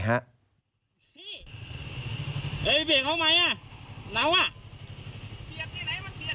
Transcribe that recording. ทอวอร์๔๕๒๑